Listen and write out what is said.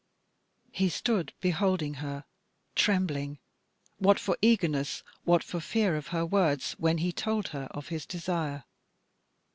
He stood beholding her, trembling, what for eagerness, what for fear of her words when he had told her of his desire.